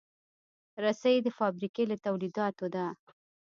رسۍ د فابریکې له تولیداتو ده.